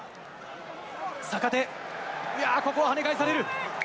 坂手、いや、ここははね返される。